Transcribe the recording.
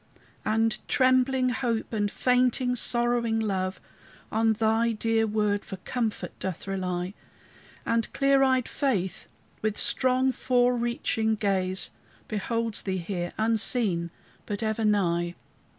And trembling Hope, and fainting, sorrowing Love, On thy dear word for comfort doth rely; And clear eyed Faith, with strong forereaching gaze, Beholds thee here, unseen, but ever nigh.